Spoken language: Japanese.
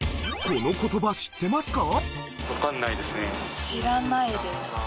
この人知ってますか？